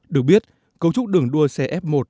được biết cấu trúc đường đua xe f một